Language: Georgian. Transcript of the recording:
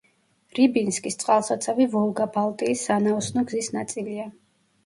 რიბინსკის წყალსაცავი ვოლგა-ბალტიის სანაოსნო გზის ნაწილია.